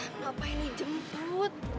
kenapa ini jemput